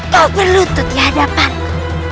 kau berlutut di hadapanku